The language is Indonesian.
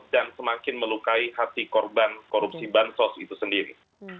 dan semakin melukai hati korban korupsi bansos itu sendiri